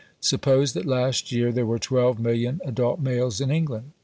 Suppose that last year there were twelve million adult males in England.